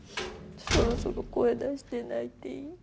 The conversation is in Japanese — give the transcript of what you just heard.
そろそろ声出して泣いていい？